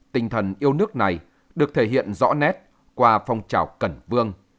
tình thần yêu nước này được thể hiện rõ nét qua phong trào cần vương